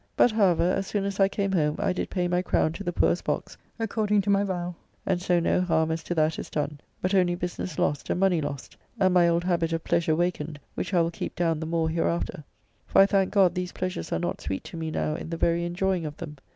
But, however, as soon as I came home I did pay my crown to the poor's box, according to my vow, and so no harm as to that is done, but only business lost and money lost, and my old habit of pleasure wakened, which I will keep down the more hereafter, for I thank God these pleasures are not sweet to me now in the very enjoying of them.